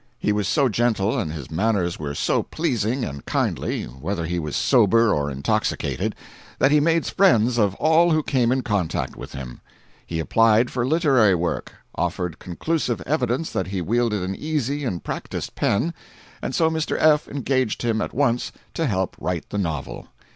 He was so gentle, and his manners were so pleasing and kindly, whether he was sober or intoxicated, that he made friends of all who came in contact with him. He applied for literary work, offered conclusive evidence that he wielded an easy and practiced pen, and so Mr. F. engaged him at once to help write the novel.